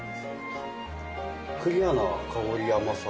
クリアな香りや甘さが。